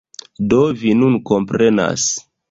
Do, vi nun komprenas.